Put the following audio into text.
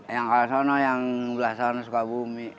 yang ke sana yang belah sana suka bumi